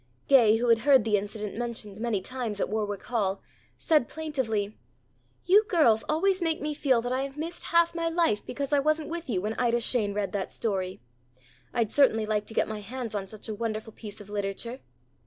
Gay who had heard the incident mentioned many times at Warwick Hall, said plaintively, "You girls always make me feel that I have missed half my life, because I wasn't with you when Ida Shane read that story. I'd certainly like to get my hands on such a wonderful piece of literature."